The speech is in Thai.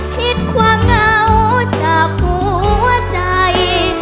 ผิดความเหงาจากหัวใจ